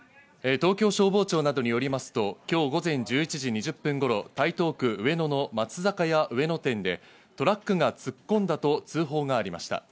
東京消防庁などによりますと今日午前１１時２０分頃、台東区上野の松坂屋上野店で、トラックが突っ込んだと通報がありました。